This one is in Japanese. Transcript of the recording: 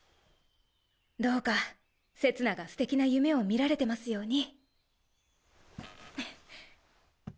どうかせつなが素敵な夢を見られてますように。